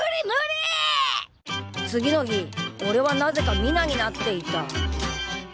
次の日おれはなぜか美奈になっていた。